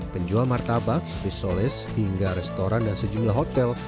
penjual martabak bisoles hingga restoran dan sejumlah hotel